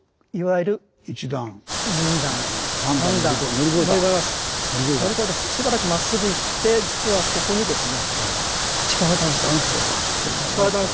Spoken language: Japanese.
乗り越えてしばらくまっすぐいって実はここにですね。